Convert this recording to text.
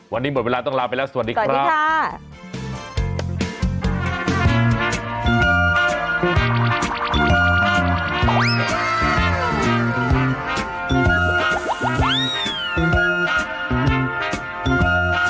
วันนี้หมดเวลาต้องลาไปแล้วสวัสดีครับสวัสดีค่ะสวัสดีค่ะ